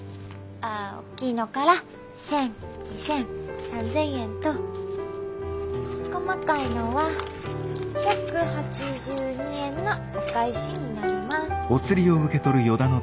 あおっきいのから１，０００２，０００３，０００円と細かいのは１８２円のお返しになります。